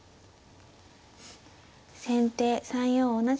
先手３四同じく歩。